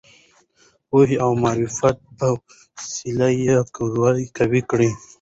د پوهې او معرفت په وسیله یې قوي کړو.